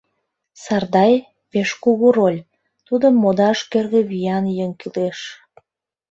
Сардай — пеш кугу роль, тудым модаш кӧргӧ виян еҥ кӱлеш.